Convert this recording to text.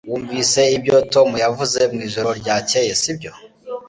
Wumvise ibyo Tom yavuze mwijoro ryakeye sibyo